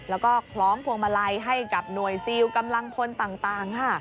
แล้วก็คล้องพวงมาลัยให้กับหน่วยซิลกำลังพลต่างค่ะ